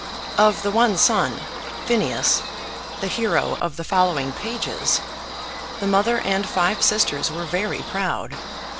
Of the one son, Phineas, the hero of the following pages, the mother and five sisters were very proud.